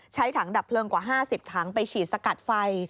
ถังดับเพลิงกว่า๕๐ถังไปฉีดสกัดไฟ